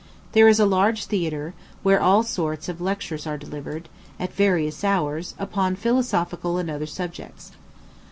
There is a large theatre, where all sorts of lectures are delivered, at various hours, upon philosophical and other subjects.